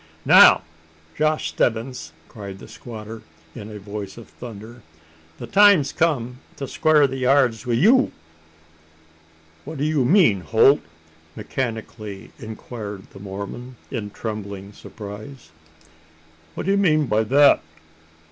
"Now, Josh Stebbins!" cried the squatter, in a voice of thunder, "the time's come to squar the yards wi' you!" "What do you mean, Holt?" mechanically inquired the Mormon, in trembling surprise. "What do you mean by that?"